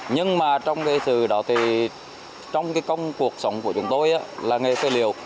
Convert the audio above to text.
nhưng mà trong cái công cuộc sống của chúng tôi là nghề phế liệu